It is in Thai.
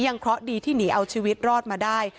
เคราะห์ดีที่หนีเอาชีวิตรอดมาได้